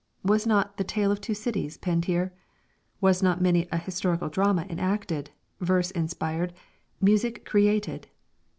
Was not the "Tale of Two Cities" penned here? Was not many an historical drama enacted, verse inspired, music created?